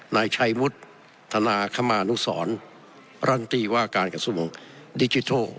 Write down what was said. ๖นายชัยมุทธ์ธนาคมานุสรรัฐมนตรีว่าการกระทรวงดิจิโทร